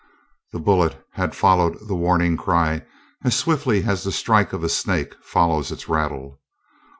The bullet had followed the warning cry as swiftly as the strike of a snake follows its rattle.